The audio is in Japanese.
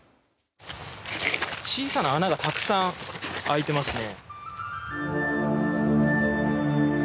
小さな穴がたくさん開いていますね。